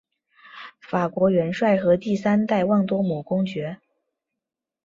法国元帅和第三代旺多姆公爵。